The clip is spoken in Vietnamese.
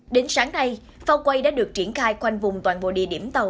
đến sáng nay phao quay đã được triển khai quanh vùng toàn bộ địa điểm tàu